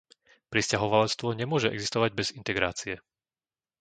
Prisťahovalectvo nemôže existovať bez integrácie.